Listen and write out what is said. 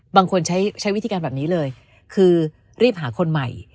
บางคนใช้วิธีการแบบนี้เลยคือรีบหาคนใหม่